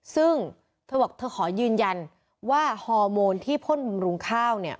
ซึ่งเธอบอกเธอขอยืนยันว่าฮอร์โมนที่พ่นบำรุงข้าวเนี่ย